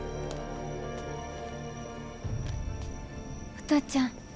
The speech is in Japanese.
お父ちゃん？